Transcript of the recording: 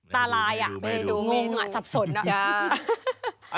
ตาลายอ่ะงงอ่ะสับสนอ่ะ